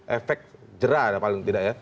efek jerah atau tidak